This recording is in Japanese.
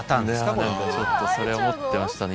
これちょっとそれ思ってましたね